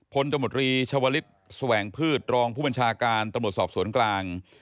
ตมตรีชาวลิศแสวงพืชรองผู้บัญชาการตำรวจสอบสวนกลาง